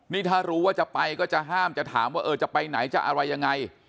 นี่ถ้ารู้ว่าจะไปก็จะห้ามจะถามว่าเออจะไปไหนจะอะไรยังไง